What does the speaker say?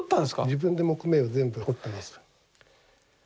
自分で木目を全部彫ってます。え！